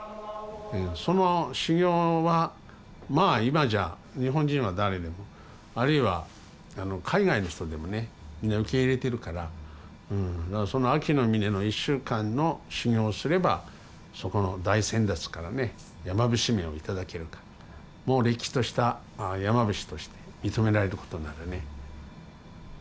その修行はまあ今じゃ日本人は誰でもあるいは海外の人でもね皆受け入れてるからその秋の峰の１週間の修行をすればそこの大先達からね山伏名をいただけるからもうれっきとした山伏として認められることになるね。